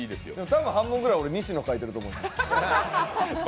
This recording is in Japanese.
多分半分ぐらい、西野が書いてると思います。